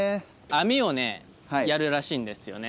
網をねやるらしいんですよね。